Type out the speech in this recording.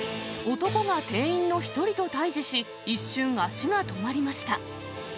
男が店員の１人と対じし、一瞬足が止まりました。